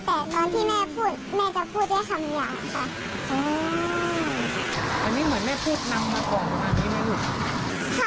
แต่ตอนที่แม่พูดแม่จะพูดได้คำอย่างค่ะ